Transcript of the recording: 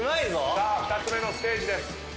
さあ２つ目のステージです。